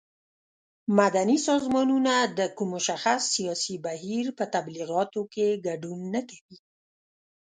مدني سازمانونه د کوم مشخص سیاسي بهیر په تبلیغاتو کې ګډون نه کوي.